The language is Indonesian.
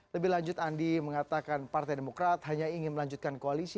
lebih lanjut andi mengatakan partai demokrat hanya ingin melanjutkan koalisi